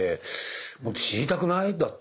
もっと知りたくない？だって。